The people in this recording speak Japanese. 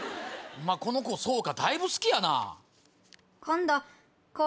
この子そうかだいぶ好きやな。